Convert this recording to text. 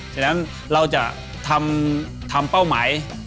ฉะนั้นเราจะทำเป้าหมาย